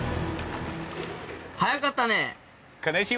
早かったね！